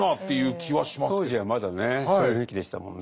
当時はまだねそういう雰囲気でしたもんね。